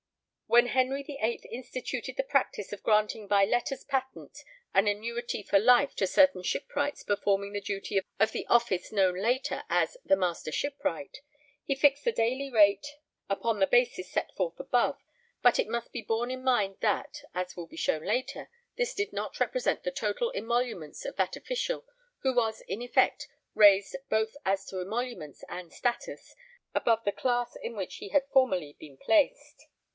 When Henry VIII instituted the practice of granting by letters patent an annuity for life to certain shipwrights performing the duties of the office known later as 'the Master Shipwright,' he fixed the daily rate upon the basis set forth above, but it must be borne in mind that (as will be shown later) this did not represent the total emoluments of that official, who was in effect raised, both as to emoluments and status, above the class in which he had formerly been placed.